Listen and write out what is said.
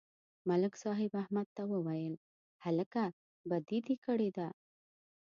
ملک صاحب احمد ته وویل: هلکه، بدي دې کړې ده.